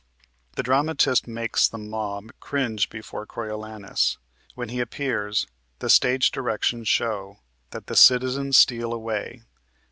The dramatist makes the mob cringe before Coriolanus. When he appears, the stage directions show that the "citizens steal away."